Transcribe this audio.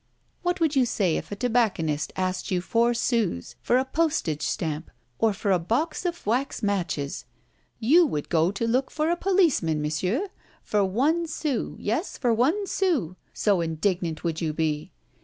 What would you say if a tobacconist asked you four sous for a postage stamp or for a box of wax matches? You would go to look for a policeman, Monsieur, for one sou, yes, for one sou so indignant would you be!